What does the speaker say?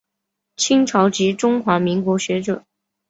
清朝及中华民国学者。